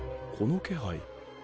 この気配！？